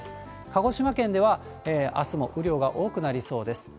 鹿児島県では、あすも雨量が多くなりそうです。